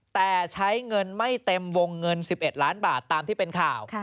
แต่ใช้เงินไม่เต็มวงเงิน๑๑ล้านบาทตามที่เป็นข่าว